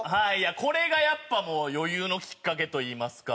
これがやっぱもう余裕のきっかけといいますか。